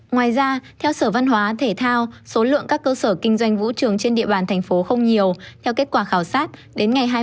ngoài ra theo sở văn hóa thể thao số lượng các cơ sở kinh doanh vũ trường